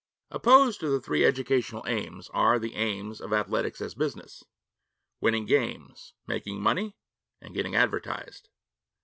II Opposed to the three educational aims are the aims of athletics as business winning games, making money, and getting advertised.